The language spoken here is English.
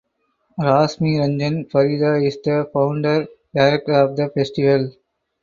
Rashmi Ranjan Parida is the founder director of the festival.